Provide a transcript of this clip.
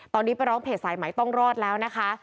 ตอนนี้ไปร้องเพจสายไหมต้องรอดแล้วนะคะ